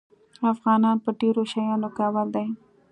افغانان په ډېرو شیانو کې اول دي.